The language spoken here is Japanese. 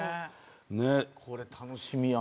これ、楽しみやなあ。